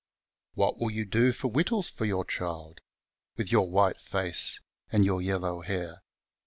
What will you do for whittles for your child, Withyourwhiieface, andy our yellow hair